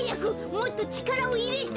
もっとちからをいれて。